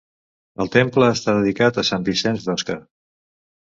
El temple està dedicat a Sant Vicenç d'Osca.